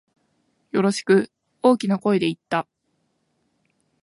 よろしく、大きな声で言った。